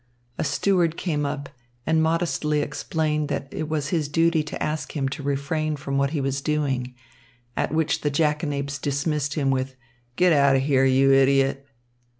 A steward came up and modestly explained that it was his duty to ask him to refrain from what he was doing. At which the jackanapes dismissed him with "Get out of here, you idiot."